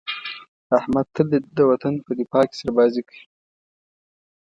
احمد تل د وطن په دفاع کې سربازي کوي.